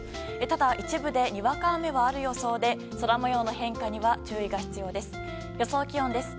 ただ、一部でにわか雨はある予想で空模様の変化には注意が必要です。